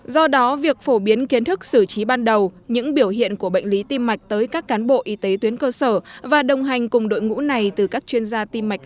do đó việc phổ biến kiến thức xử trí ban đầu những biểu hiện của bệnh lý tim mạch tới các cán bộ y tế tuyến cơ sở và đồng hành cùng đội ngũ này từ các chuyên gia tim mạch